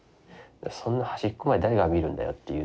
そんな端っこまで誰が見るんだよっていう。